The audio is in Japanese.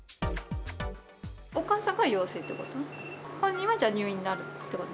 お母さんが陽性ってこと？